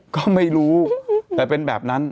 ก็ไม่รู้แต่เป็นแบบนั้น